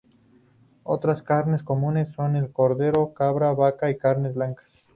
Otras carnes comunes son el cordero, cabra, vaca y carnes blancas.